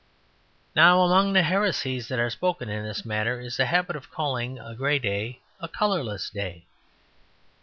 Now, among the heresies that are spoken in this matter is the habit of calling a grey day a "colourless" day.